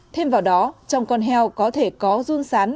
thêm vào đó trong con heo có thể có run sán